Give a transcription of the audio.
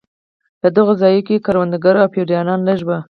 په دغو ځایو کې کروندګر او فیوډالان لږ وو.